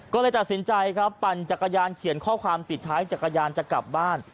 ก็เลยตัดสินใจครับปั่นจักรยานเขียนข้อความปิดท้ายจักรยานจะกลับบ้าน